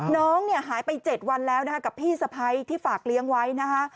น้องเนี่ยหายไป๗วันแล้วนะคะกับพี่สะพ้ายที่ฝากเลี้ยงไว้นะคะ